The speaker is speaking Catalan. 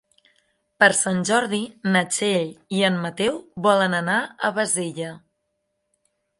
Per Sant Jordi na Txell i en Mateu volen anar a Bassella.